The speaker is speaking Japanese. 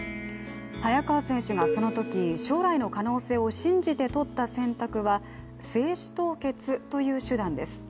早川選手がそのとき将来の可能性を信じてとった選択は精子凍結という手段です。